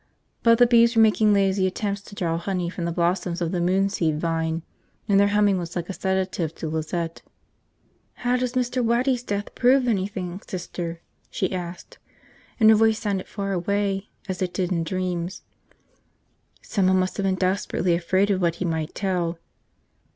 But the bees were making lazy attempts to draw honey from the blossoms of the moonseed vine and their humming was like a sedative to Lizette. "How does Mr. Waddy's death prove anything, Sister?" she asked, and her voice sounded far away, as it did in dreams. "Someone must have been desperately afraid of what he might tell."